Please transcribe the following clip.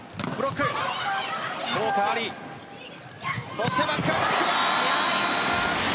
そしてバックアタックだ。